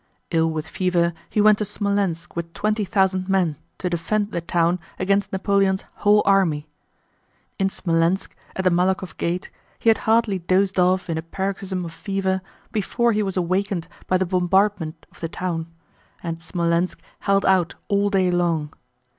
Ill with fever he went to Smolénsk with twenty thousand men to defend the town against Napoleon's whole army. In Smolénsk, at the Malákhov Gate, he had hardly dozed off in a paroxysm of fever before he was awakened by the bombardment of the town—and Smolénsk held out all day long.